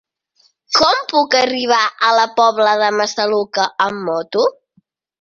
Com puc arribar a la Pobla de Massaluca amb moto?